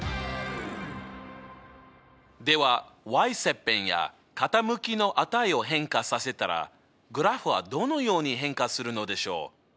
では切片や傾きの値を変化させたらグラフはどのように変化するのでしょう。